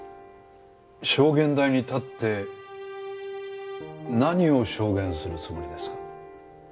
証言台に立って何を証言するつもりですか？